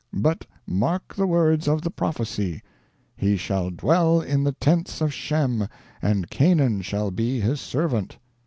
But mark the words of the prophecy: 'He shall dwell in the tents of Shem, and Canaan shall be his servant.'